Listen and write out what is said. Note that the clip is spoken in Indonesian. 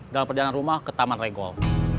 dalam perjalanan rumah ke taman regol